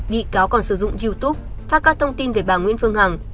bị cáo còn sử dụng youtube phát các thông tin về bà nguyễn phương hằng